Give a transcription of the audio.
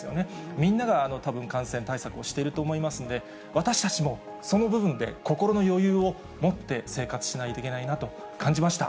みんながたぶん、感染対策をしていると思いますので、私たちも、その部分で心の余裕を持って、生活しないといけないなと感じました。